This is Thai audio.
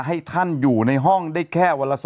ให้ท่านอยู่ในห้องได้แค่วันละ๒